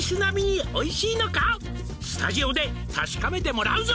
「スタジオで確かめてもらうぞ」